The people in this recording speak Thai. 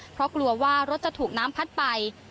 เพราะกลัวว่ารถจะถูกน้ำพัดไป